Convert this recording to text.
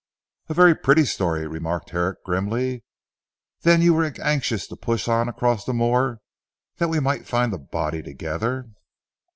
"A very pretty story!" remarked Herrick grimly, "then you were anxious to push on across the moor that we might find the body together?"